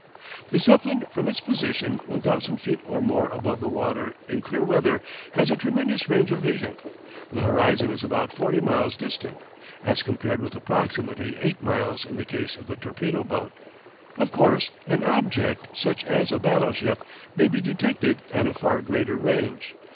The Zeppelin from its position 1,000 feet or more above the water, in clear weather, has a tremendous range of vision; the horizon is about 40 miles distant, as compared with approximately 8 miles in the case of the torpedo boat. Of course an object, such as a battleship, may be detected at a far greater range.